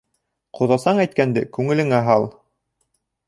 Ҡоҙасаң әйткәнде күңелеңә һал.